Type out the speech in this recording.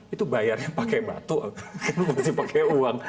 itu bayarnya pakai batu itu masih pakai uang